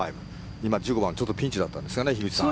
今、１５番はちょっとピンチだったんですかね樋口さん。